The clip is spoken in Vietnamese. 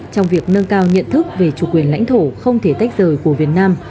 trong việc nâng cao nhận thức về chủ quyền lãnh thổ không thể tách rời của việt nam